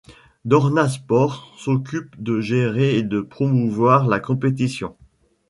Dorna Sports s’occupe de gérer et de promouvoir la compétition.